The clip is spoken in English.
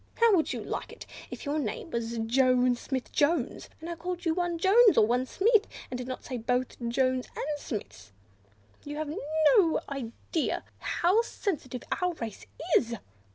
"How would you like it if your name was Jones Smith Jones, and I called you one Jones, or one Smith, and did not say both the Joneses and the Smiths? You have no idea how sensitive our race is.